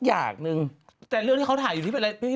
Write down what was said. แต่เรื่องที่เขาถ่ายนี้เป็นอะไร